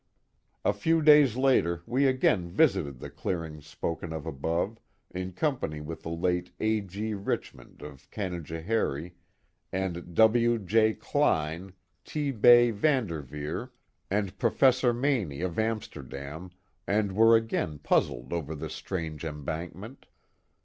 A few days later we again visited the clearing spoken of above, in company with the late A. G. Richmond of Cana joharie and W. J. Kline, T. B. Van Derveer, and Professor 3IO The Mohawk Valley ^^^| Maney of Amsterdam, and were again puzzled overTn^^ strange embankment.